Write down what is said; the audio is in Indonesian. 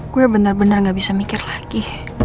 gue bener bener gak bisa mikir lagi